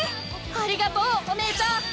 ありがとうお姉ちゃん！